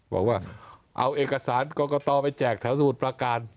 บอกว่าเอาเอกสารกรกตไปแจกแถวสมุทรประการ